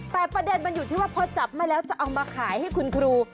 แต่ประเด็นมันอยู่ที่ว่าพอจับมาแล้วจะเอามาขายให้คุณครู